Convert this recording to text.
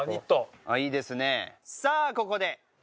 さあここで。